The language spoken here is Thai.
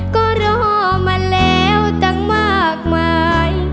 ก็รอมาแล้วตั้งมากมาย